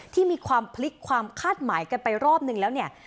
ที่มีความพลิกความคาดหมายกันไปรอบนึงแล้วเนี่ย